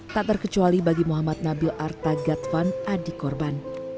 tak terkecuali bagi muhammad nabil arta gadvan adik korban